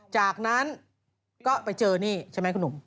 จากนั้นก็ไปเจอนี่ใช่ไหมคุณหนุ่ม